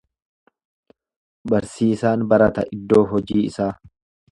Barsiisaan barata iddoo hojii isaa.